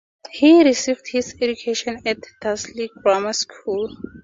He received his education at Dursley Grammar School.